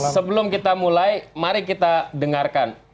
sebelum kita mulai mari kita dengarkan